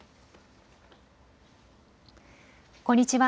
こんにちは。